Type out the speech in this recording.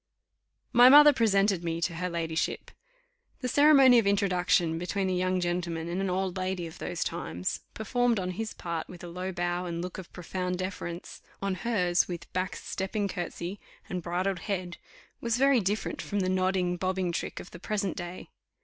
My mother presented me to her ladyship. The ceremony of introduction between a young gentleman and an old lady of those times, performed on his part with a low bow and look of profound deference, on hers, with back stepping curtsy and bridled head, was very different from the nodding, bobbing trick of the present day.